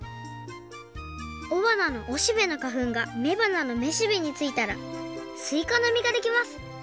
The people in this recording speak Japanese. おばなのおしべのかふんがめばなのめしべについたらすいかのみができます。